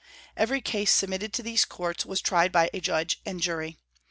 Every case submitted to these courts was tried by a judge and jury.